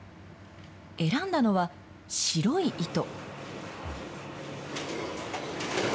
選んだのは、白い糸。